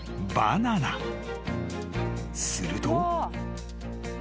［すると］